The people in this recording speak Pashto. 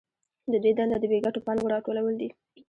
د دوی دنده د بې ګټو پانګو راټولول دي